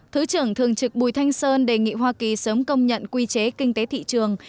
thứ trưởng thường trực bùi thanh sơn đề nghị hoa kỳ sớm công nhận quy chế kinh tế thị trường